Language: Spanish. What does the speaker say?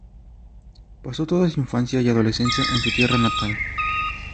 Pasó toda su infancia y adolescencia en su tierra natal.